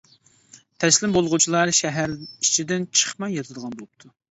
تەسلىم بولغۇچىلار شەھەر ئىچىدىن چىقماي ياتىدىغان بوپتۇ.